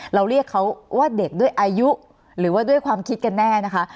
เราเรียกเขาว่าเด็กด้วยอายุหรือว่าด้วยความคิดกันแน่นะคะ